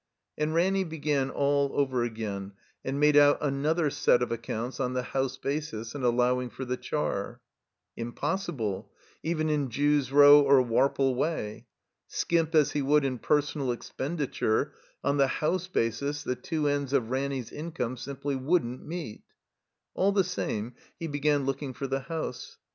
And Ranny began all over again and made out another set of accotmts on the house basis and allow ing for the char. Impossible; even in Jew's Row or Warple Way. Skimp as he would in personal expenditure, on the house basis the two ends of Ranny's income simply wouldn't meet. All the same, he began looking for the house.